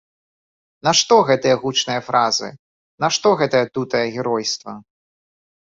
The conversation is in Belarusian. Нашто гэтыя гучныя фразы, нашто гэтае дутае геройства?